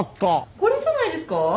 これじゃないですか？